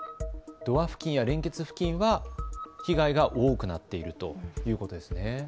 ドア付近や連結付近では被害が多くなっているということですね。